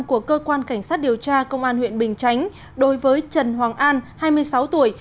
của cơ quan cảnh sát điều tra công an huyện bình chánh đối với trần hoàng an hai mươi sáu tuổi